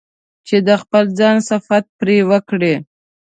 چې د خپل ځان صفت پرې وکړي.